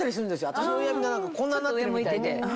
私の親指がこんなんなってるみたいで。